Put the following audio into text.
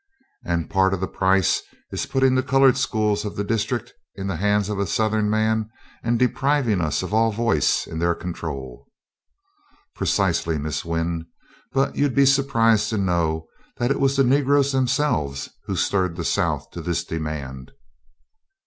"And part of the price is putting the colored schools of the District in the hands of a Southern man and depriving us of all voice in their control?" "Precisely, Miss Wynn. But you'd be surprised to know that it was the Negroes themselves who stirred the South to this demand."